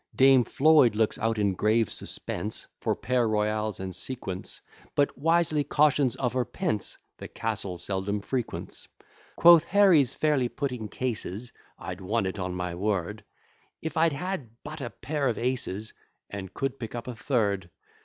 Dame Floyd looks out in grave suspense For pair royals and sequents; But, wisely cautious of her pence, The castle seldom frequents. Quoth Herries, fairly putting cases, I'd won it, on my word, If I had but a pair of aces, And could pick up a third.